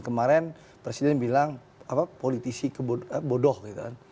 kemarin presiden bilang politisi bodoh gitu kan